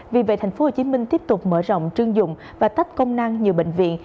vì vậy tp hcm tiếp tục mở rộng chuyên dụng và tách công năng nhiều bệnh viện